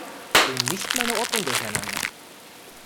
Bring nicht meine Ordnung durcheinander!